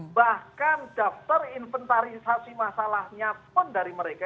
bahkan daftar inventarisasi masalahnya pun dari mereka